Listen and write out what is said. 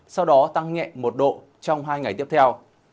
sau đó tăng nhẹ một độ trong hai ngày tiếp theo